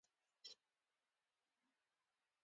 په خپلو ښو پښېمانه یم.